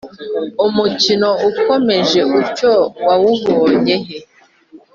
umukino ukomeje utyo wabunye he